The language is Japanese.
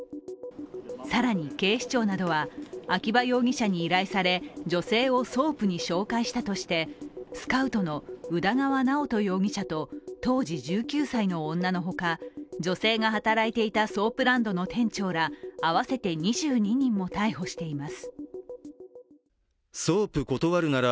更に、警視庁などは秋葉容疑者に依頼され女性をソープに紹介したとして、スカウトの宇田川直人容疑者と、当時１９歳の女の他、女性が働いていたソープランドの店長ら合わせて２２人も逮捕しています。